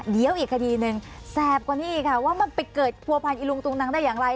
เดี๋ยวอีกคดีหนึ่งแสบกว่านี้อีกค่ะว่ามันไปเกิดผัวพันธิลุงตุงนังได้อย่างไร